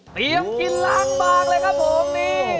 เตรียมกินล้างบางเลยครับผมนี่